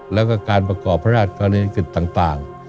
และการประกอบพระราชการิกฤตต่าง